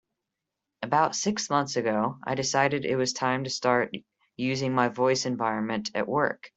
About six months ago, I decided it was time to start using my voice environment at work.